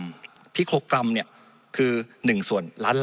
มันตรวจหาได้ระยะไกลตั้ง๗๐๐เมตรครับ